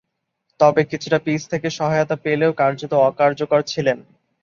তবে, কিছুটা পিচ থেকে সহায়তা পেলেও কার্যত অকার্যকর ছিলেন।